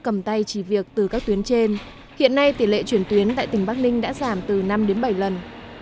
các bệnh viện đã cầm tay chỉ việc từ các tuyến trên hiện nay tỉ lệ chuyển tuyến tại tỉnh bắc ninh đã giảm từ năm đến bảy lần